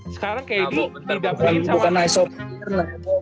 sekarang kd tidak main sama amson